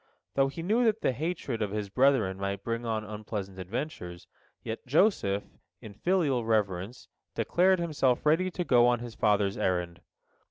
Though he knew that the hatred of his brethren might bring on unpleasant adventures, yet Joseph, in filial reverence, declared himself ready to go on his father's errand.